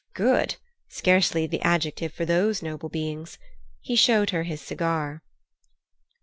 Good? Scarcely the adjective for those noble beings! He showed her his cigar.